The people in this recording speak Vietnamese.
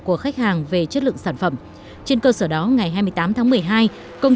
của khách hàng về chất lượng sản phẩm trên cơ sở đó ngày hai mươi tám tháng một mươi hai công